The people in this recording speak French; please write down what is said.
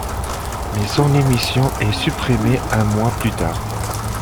Mais son émission est supprimée un mois plus tard.